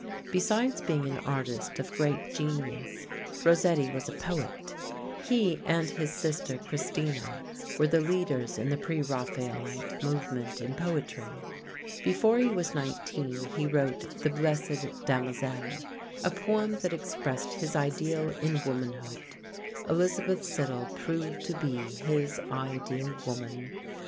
Besides being an artist of great genius, Rossetti was a poet. He and his sister Christina were the leaders in the Preraphaelite movement in poetry. Before he was nineteen he wrote "The Blessed Damozel," a poem that expressed his ideal in womanhood. Elizabeth Siddal proved to be his ideal woman.